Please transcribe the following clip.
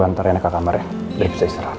hindarilah ia dari rasa sakit